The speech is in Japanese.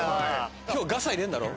今日ガサ入れんだろ。